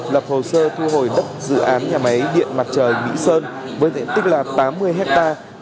lập hồ sơ thu hồi đất dự án nhà máy điện mặt trời mỹ sơn với diện tích tám mươi hectare